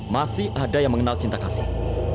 masih ada yang mengenal cinta kasih